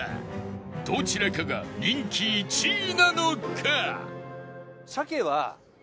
どちらかが人気１位なのか？